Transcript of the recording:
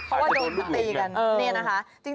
เพราะว่าโดนผู้ตีกัน